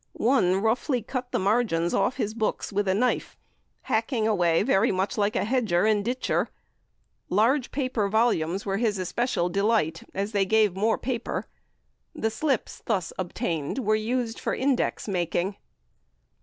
One roughly cut the margins off his books with a knife, hacking away very much like a hedger and ditcher. Large paper volumes were his especial delight, as they gave more paper. The slips thus obtained were used for index making!